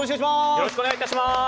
よろしくお願いします。